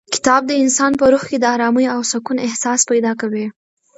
کتاب د انسان په روح کې د ارامۍ او سکون احساس پیدا کوي.